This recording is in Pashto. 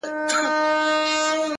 اوس بيا د ښار په ماځيگر كي جادو؛